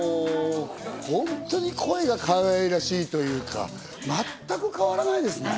本当に声がかわいらしいというか、全く変わらないですね。